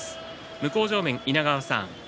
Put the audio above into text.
向正面の稲川さん